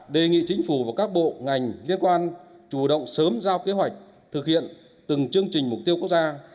đề nghị chính phủ và các bộ ngành liên quan chủ động sớm giao kế hoạch thực hiện từng chương trình mục tiêu quốc gia